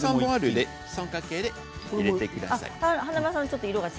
三角形で入れてください。